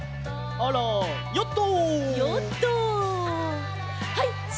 あらヨット！